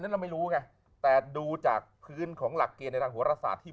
เราไม่รู้ไงแต่ดูจากพื้นของหลักเกณฑ์ในทางหัวรศาสตร์ที่